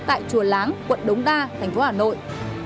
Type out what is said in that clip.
tại chùa láng quận đống đa thành phố hà nội